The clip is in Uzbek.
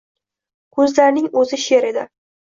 Ko’zlarining o’zi she’r edi!